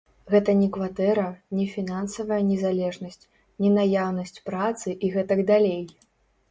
Гэта не кватэра, не фінансавая незалежнасць, не наяўнасць працы і гэтак далей.